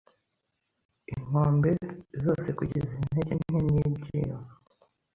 inkombe zosekugeza intege nke nibyiyumvo